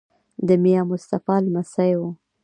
د میا مصطفی لمسی وو.